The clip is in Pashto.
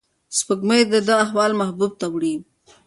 سپوږمۍ د ده احوال محبوب ته وړي.